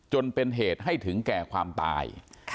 จนเป็นการปกใจให้ถึงแค่ความตาย